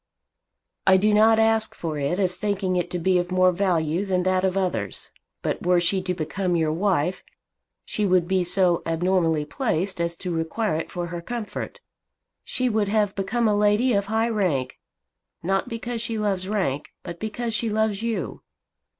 "I do not ask for it as thinking it to be of more value than that of others; but were she to become your wife she would be so abnormally placed as to require it for her comfort. She would have become a lady of high rank, not because she loves rank, but because she loves you."